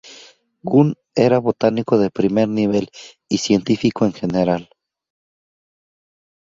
Gunn era un botánico de primer nivel y científico en general.